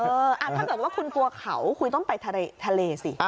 ถ้าเกิดว่าคุณกลัวเขาคุณต้องไปทะเลสิ